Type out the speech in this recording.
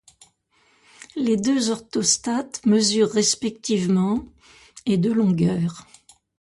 Les deux orthostates mesurent respectivement et de longueur.